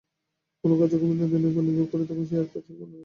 কোনো কাজ যখন বিনোদিনীর উপর নির্ভর করে, তখন সে আর-কিছুই মনে রাখে না।